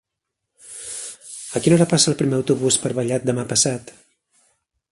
A quina hora passa el primer autobús per Vallat demà passat?